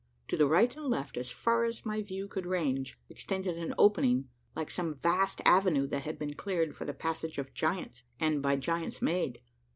To the right and left, as far as my view could range, extended an opening, like some vast avenue that had been cleared for the passage of giants, and by giants made!